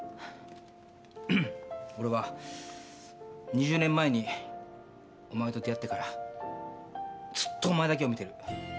俺は２０年前にお前と出会ってからずっとお前だけを見てる。